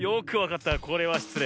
これはしつれい。